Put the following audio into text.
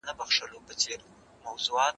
د علم زده کړه په هر چا باندې فرض ده.